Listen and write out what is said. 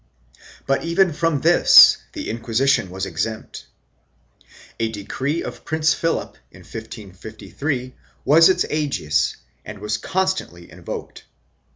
2 But even from this the Inquisition was exempt. A decree of Prince Philip, in 1553, was its aegis and was constantly invoked.